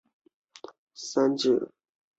三者的等级排序不同。